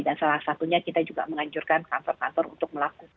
dan salah satunya kita juga menganjurkan kantor kantor untuk melakukan kontrak